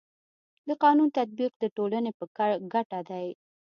د قانونو تطبیق د ټولني په ګټه دی.